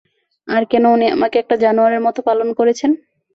আর কেন উনি আমাকে একটা জানোয়ারের মতো পালন করেছেন?